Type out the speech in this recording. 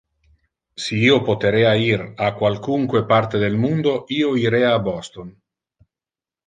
Si io poterea ir a qualcunque parte del mundo, io irea a Boston.